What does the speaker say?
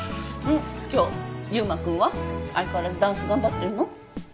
今日祐馬くんは？相変わらずダンス頑張ってるの？